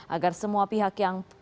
agar semua pihak yang